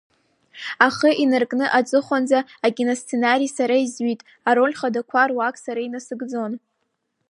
Ахы инаркны аҵыхәанӡа акиносценариа сара изҩит, ароль хадақәа руак сара инасыгӡон.